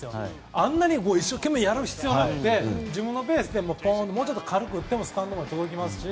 あんなに一生懸命やる必要はなくて自分のペースでもうちょっと軽く打ってもスタンドまで届きますし。